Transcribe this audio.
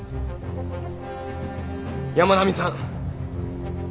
山南さん。